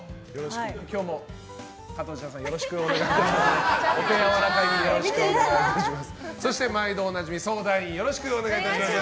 今日も、加藤茶さんお手柔らかによろしくお願いいたします。